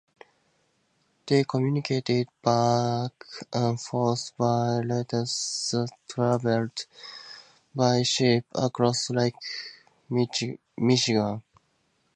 They communicated back and forth by letters that traveled by ship across Lake Michigan.